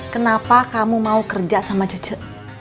kenapa kamu mau kerja sama cucu